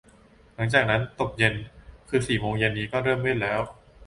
หลังจากนั้นตกเย็น คือสี่โมงเย็นนี้ก็เริ่มมืดแล้ว